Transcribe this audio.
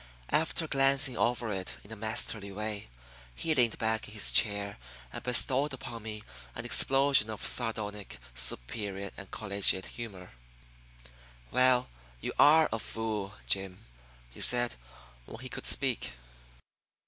After glancing over it in a masterly way, he leaned back in his chair and bestowed upon me an explosion of sardonic, superior, collegiate laughter. "Well, you are a fool, Jim," he said, when he could speak.